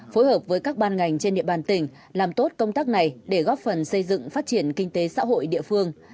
phối hợp với các ban ngành trên địa bàn tỉnh làm tốt công tác này để góp phần xây dựng phát triển kinh tế xã hội địa phương